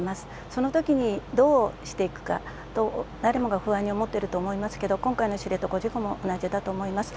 そのときにどうしていくかと、誰もが不安に思っていると思いますけれども、今回の知床事故も同じだと思います。